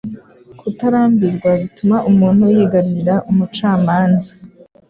Kutarambirwa bituma umuntu yigarurira umucamanza